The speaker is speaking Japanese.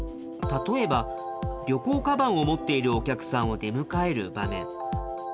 例えば旅行かばんを持っているお客さんを出迎える場面。